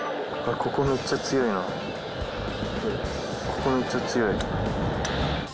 ここめっちゃ強い。